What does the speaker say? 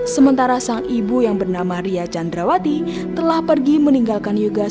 sementara sang ibu yang bernama ria chandrawati telah pergi meninggalkan yoga